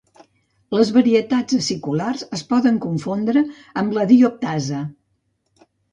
Les varietats aciculars es poden confondre amb la dioptasa.